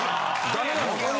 ダメなのか？